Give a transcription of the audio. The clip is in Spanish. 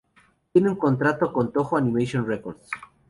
Tiene un contrato con Toho Animation Records.